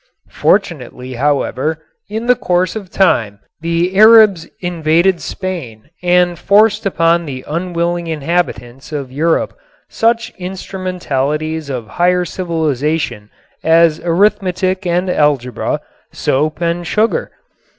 Fortunately, however, in the course of time the Arabs invaded Spain and forced upon the unwilling inhabitants of Europe such instrumentalities of higher civilization as arithmetic and algebra, soap and sugar.